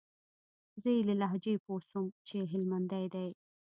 زه يې له لهجې پوه سوم چې هلمندى دى.